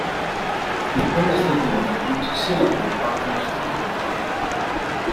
In quella stagione vince sia la Coppa che la Supercoppa.